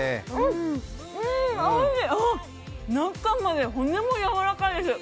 あ、中まで、骨もやわらかいです。